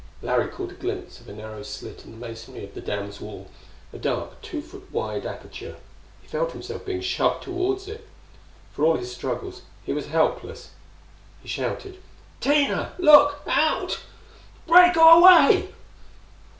Larry caught a glimpse of a narrow slit in the masonry of the dam's wall a dark, two foot wide aperture. He felt himself being shoved toward it. For all his struggles, he was helpless. He shouted: "Tina look out! Break away!"